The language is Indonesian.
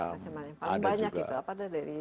paling banyak itu apa ada dari